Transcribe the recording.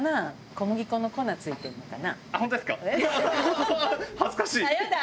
小麦粉の粉ついてるのかな？